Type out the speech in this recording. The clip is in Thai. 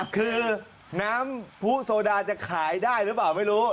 คือน้ำผู้โซดาจะขายได้หรือเปล่าไม่รู้